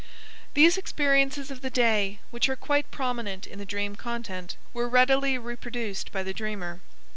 These experiences of the day, which are quite prominent in the dream content, were readily reproduced by the dreamer.